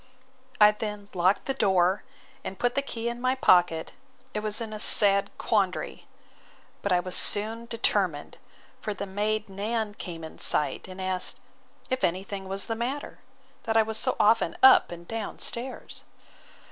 I then locked the door, and put the key in my pocket, and was in a sad quandary; but I was soon determined; for the maid Nan came in sight, and asked, if any thing was the matter, that I was so often up and down stairs?